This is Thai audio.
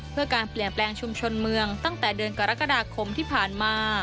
เพื่อการเปลี่ยนแปลงชุมชนเมืองตั้งแต่เดือนกรกฎาคมที่ผ่านมา